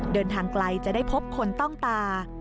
เดินทางไกลจะได้พบคนต้องตา